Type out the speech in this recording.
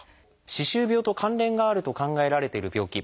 歯周病と関連があると考えられてる病気。